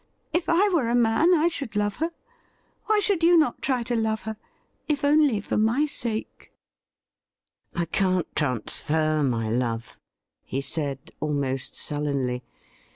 If I were a man, I should love her. Why should you not try to love her — if only for my sake T ' I can't transfer my love,' he said, almost sullenly.